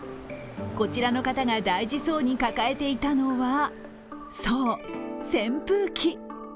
こちらの方が大事そうに抱えていたのはそう、扇風機。